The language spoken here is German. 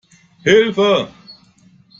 Hilfe!